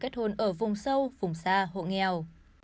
kết hôn ở vùng sâu vùng xa hộ nghèo